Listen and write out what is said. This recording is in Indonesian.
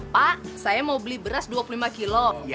pak saya mau beli beras dua puluh lima kilo